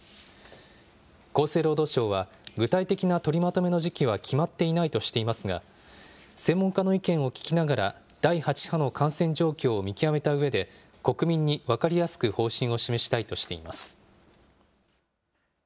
厚生労働省は、具体的な取りまとめの時期は決まっていないとしていますが、専門家の意見を聞きながら、第８波の感染状況を見極めたうえで、国民に分かりやすく方針を示したいとしています。